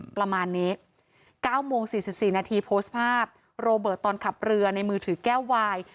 ประมาณนี้๙โมง๔๔นาทีโพสต์ภาพโรเบิร์ตตอนขับเรือในมือถือแก้ววาย